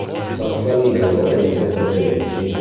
Pasqualino Lorenzo Federici